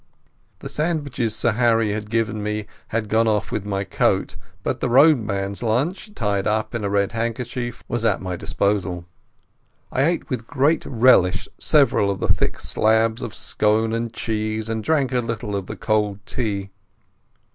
The sandwiches Sir Harry had given me had gone off with my coat, but the roadman's lunch, tied up in a red handkerchief, was at my disposal. I ate with great relish several of the thick slabs of scone and cheese and drank a little of the cold tea.